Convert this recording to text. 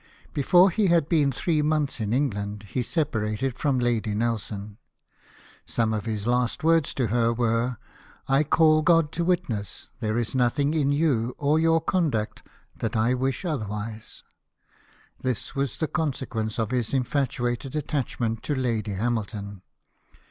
Before he had been three months in England he separated from Lady Nelson. Some of his last words to her were :" I call God to witness, there is nothing in you, or your conduct, that I wish otherwise." This was the consequence of his infatuated attachment to Lady Hamilton.